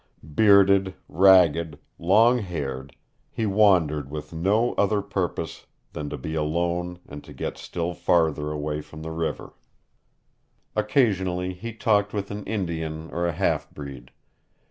Bearded, ragged, long haired, he wandered with no other purpose than to be alone and to get still farther away from the river. Occasionally he talked with an Indian or a half breed.